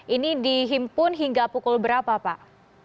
ini dihimpun hingga pukul berapa pak